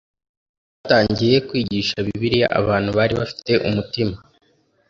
Batangiye kwigisha bibiliya abantu bari bafite umutima